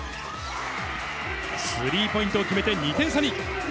スリーポイントを決めて２点差に。